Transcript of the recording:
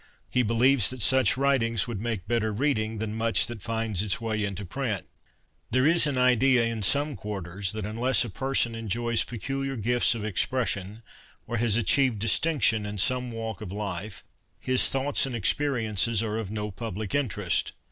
He believes that such writings would make better reading than much that finds its way into print. There is an idea in some quarters that unless a person enjoys peculiar gifts of expression, or has achieved distinction in some walk of life, his thoughts and experiences are of no public interest.